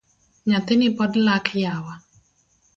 Nyathini pod lak yawa